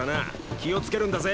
気をつけるんだぜ。